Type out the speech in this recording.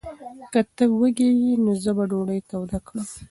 که ته وږی یې، نو زه به ډوډۍ توده کړم.